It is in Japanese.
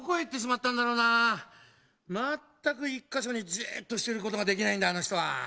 まったく１カ所にじーっとしてることができないんだ！